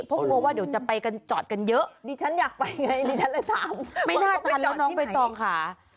เพราะกลัวว่าเดี๋ยวจะไปกันจอดกันเยอะดิฉันอยากไปไงดิฉันเลยถามไม่น่าทันแล้วน้องใบตองค่ะ